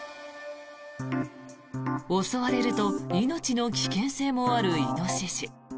襲われると命の危険性もあるイノシシ。